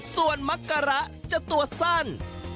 ส่วนมักกะระจะตัวสั้น